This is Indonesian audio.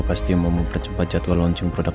pasti mau mempercepat jadwal launching produk